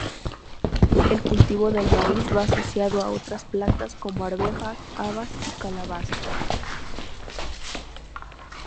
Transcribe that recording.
El cultivo del maíz va asociado a otras plantas como arvejas, habas y calabazas.